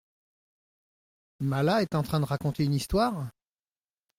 Mala est en train de raconter une histoire ?